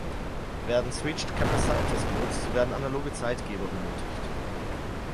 Werden Switched-Capacitors genutzt, so werden analoge Zeitgeber benötigt.